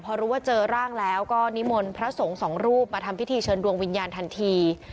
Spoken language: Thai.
พอรู้ว่าเจอร่างแล้วก็นิมนต์พระสงฆ์สองรูปมาทำพิธีเชิญดวงวิญญาณทันที